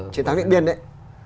chiến thắng điện biên đấy